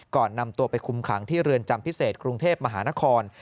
ก่อนนำตัวไปคุมขังที่เรือนจำพิเศษกรุงเทพมหานคร